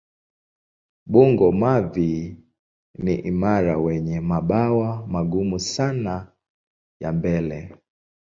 Bungo-mavi ni imara wenye mabawa magumu sana ya mbele.